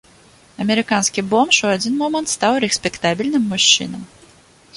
Амерыканскі бомж у адзін момант стаў рэспектабельным мужчынам.